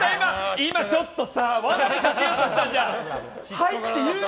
今ちょっと罠にかけようとしたじゃん！